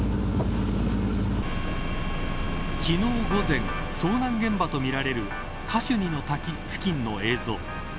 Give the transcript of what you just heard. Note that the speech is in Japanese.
昨日、午前遭難現場とみられるカシュニの滝付近の映像。